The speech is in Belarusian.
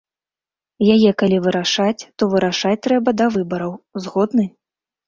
Яе калі вырашаць, то вырашаць трэба да выбараў, згодны?